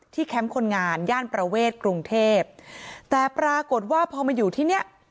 แคมป์คนงานย่านประเวทกรุงเทพแต่ปรากฏว่าพอมาอยู่ที่เนี้ย